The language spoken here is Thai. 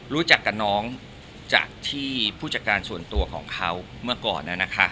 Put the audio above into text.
รู้จักกับน้องจากที่ผู้จัดการส่วนตัวของเขาเมื่อก่อน